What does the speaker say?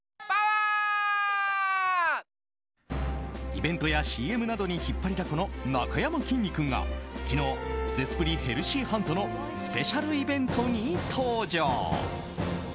イベントやＣＭなどに引っ張りだこのなかやまきんに君が昨日ゼスプリヘルシーハントのスペシャルイベントに登場。